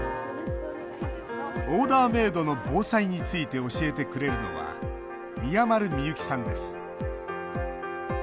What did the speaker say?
オーダーメードの防災について教えてくれるのは宮丸みゆきさんです。